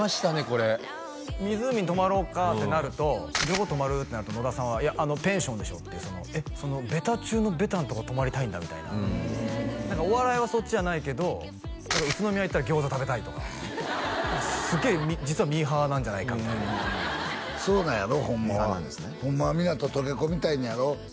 これ湖に泊まろうかってなるとどこ泊まる？ってなると野田さんはいやあのペンションでしょっていうベタ中のベタなところ泊まりたいんだみたいな何かお笑いはそっちじゃないけど宇都宮行ったらギョーザ食べたいとかすげえ実はミーハーなんじゃないかみたいなそうなんやろ？ホンマはホンマは皆ととけ込みたいねやろ？